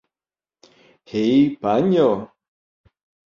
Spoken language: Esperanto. Hej, panjo!